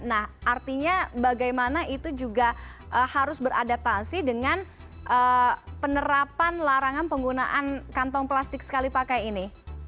nah artinya bagaimana itu juga harus beradaptasi dengan penerapan larangan penggunaan kantong plastik sekali pakai ini